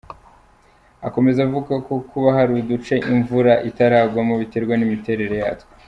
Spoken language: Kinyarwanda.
Akomeza avuga ko kuba hari uduce imvura itaragwamo biterwa n’imiterere yatwo.